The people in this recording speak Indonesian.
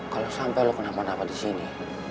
kalau sampe lo kenapa napa disini